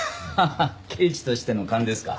ハハッ刑事としての勘ですか。